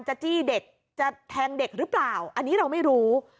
จี้เด็กจะแทงเด็กหรือเปล่าอันนี้เราไม่รู้